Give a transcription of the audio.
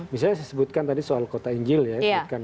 misalnya saya sebutkan tadi soal kota injil ya